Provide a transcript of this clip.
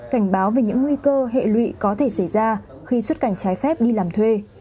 cảnh báo về những nguy cơ hệ lụy có thể xảy ra khi xuất cảnh trái phép đi làm thuê